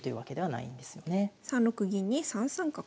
３六銀に３三角。